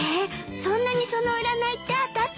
そんなにその占いって当たってたの？